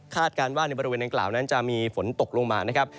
การว่าในบริเวณดังกล่าวนั้นจะมีฝนตกลงมานะครับ